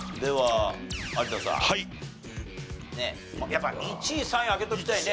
やっぱ１位３位は開けときたいね。